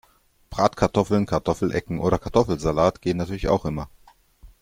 Bratkartoffeln, Kartoffelecken oder Kartoffelsalat gehen natürlich auch immer.